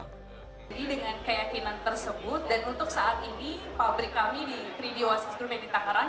jadi dengan keyakinan tersebut dan untuk saat ini pabrik kami di tridio asis grup meditangarang